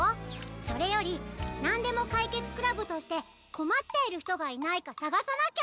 それよりなんでもかいけつクラブとしてこまってるひとがいないかさがさなきゃ。